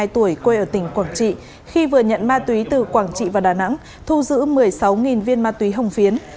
hai mươi tuổi quê ở tỉnh quảng trị khi vừa nhận ma túy từ quảng trị và đà nẵng thu giữ một mươi sáu viên ma túy hồng phiến